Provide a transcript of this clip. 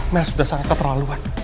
mel sudah sangat keterlaluan